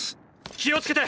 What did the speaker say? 気をつけて！！